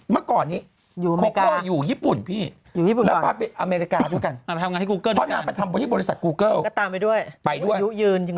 เมื่อก่อนนี้โคโก้อยู่ญี่ปุ่น